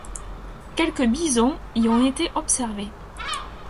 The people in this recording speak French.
Quelques bisons y ont été observés.